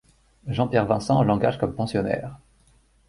Jean-Pierre Vincent l’engage comme pensionnaire.